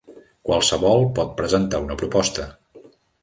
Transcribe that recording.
Qualsevol pot presentar una proposta.